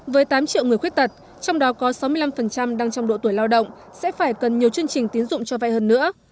với tám triệu người khuyết tật trong đó có sáu mươi năm đang trong độ tuổi lao động sẽ phải cần nhiều chương trình tiến dụng cho vay hơn nữa